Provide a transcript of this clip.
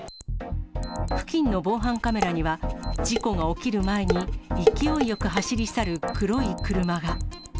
付近の防犯カメラには、事故が起きる前に勢いよく走り去る黒い車が。